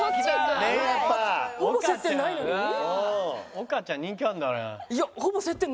オカちゃん人気あるんだね。